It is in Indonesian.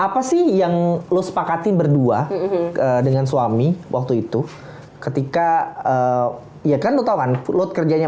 apa sih yang lo sepakatin berdua dengan suami waktu itu ketika ya kan lo tau kan load kerjanya